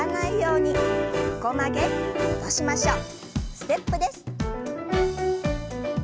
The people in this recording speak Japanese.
ステップです。